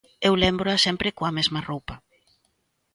Eu lémbroa sempre coa mesma roupa.